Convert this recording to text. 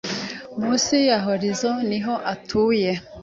Munsi ya horizo niho atuye